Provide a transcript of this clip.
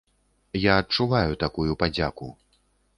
Я адчуваю такую падзяку.